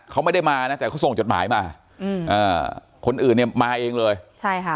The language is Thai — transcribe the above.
เขาไม่ได้มานะแต่เขาส่งจดหมายมาอืมอ่าคนอื่นเนี่ยมาเองเลยใช่ค่ะ